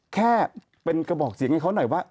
แค่เป็นกระบอกเสียงให้เขาหน่อยว่า